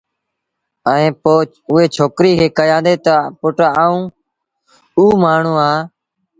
ائيٚݩ پو اُئي ڇوڪري کي ڪيآݩدي تا پُٽ آئوݩ اُ مآڻهوٚٚݩ اَهآݩ